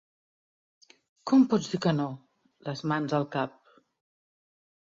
Com pots dir que no? –les mans al cap–.